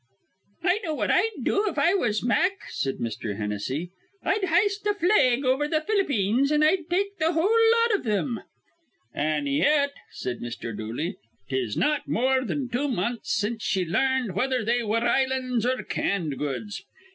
"I know what I'd do if I was Mack," said Mr. Hennessy. "I'd hist a flag over th' Ph'lippeens, an' I'd take in th' whole lot iv thim." "An' yet," said Mr. Dooley, "tis not more thin two months since ye larned whether they were islands or canned goods.